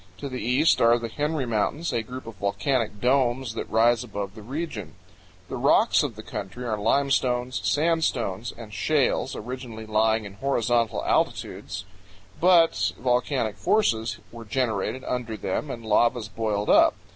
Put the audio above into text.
To the east are the Henry Mountains, a group of volcanic domes that rise above the region. The rocks of the country powell canyons 50.jpg INDIANS GAMBLING. are limestones, sandstones, and shales, originally lying in horizontal altitudes; but volcanic forces were generated under them and lavas boiled up.